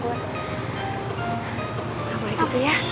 oh begitu ya